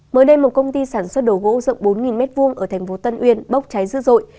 mới đây một công ty sản xuất đồ gỗ rộng bốn m hai ở tp tân uyên bốc trái dữ dội